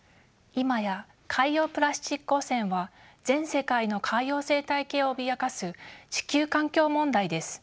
今や海洋プラスチック汚染は全世界の海洋生態系を脅かす地球環境問題です。